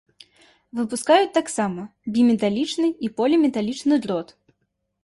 Выпускаюць таксама біметалічны і поліметалічны дрот.